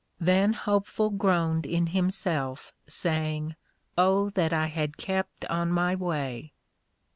Then Hopeful groaned in himself, saying, _Oh that I had kept on my way!